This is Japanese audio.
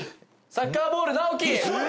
サッカーボール直樹。